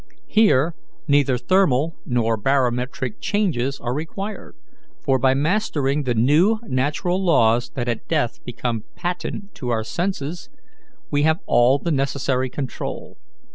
Here neither thermal nor barometric changes are required, for, by mastering the new natural laws that at death become patent to our senses, we have all the necessary control.